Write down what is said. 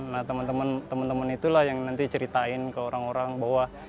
nah teman teman itulah yang nanti ceritain ke orang orang bahwa